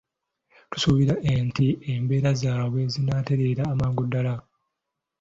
Tusuubira nti embeera zaabwe zinaaterera amangu ddala.